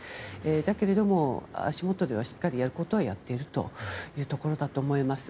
だけれども、足元ではしっかりやることはやっているということだと思います。